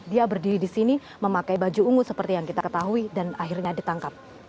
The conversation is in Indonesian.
dia berdiri di sini memakai baju ungu seperti yang kita ketahui dan akhirnya ditangkap